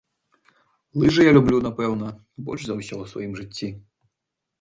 Лыжы я люблю, напэўна, больш за ўсё ў сваім жыцці.